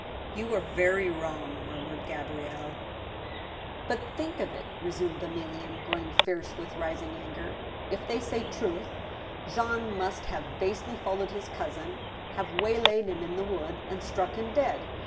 " You are very wrong," murmured Gabrielle. " But think of it," resumed Emilienne, growing fierce with rising anger, "if they say truth, Jean must have basely followed his cousin, have waylaid him in the wood, and struck him dead.